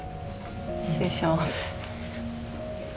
失礼します。